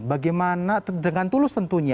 bagaimana dengan tulus tentunya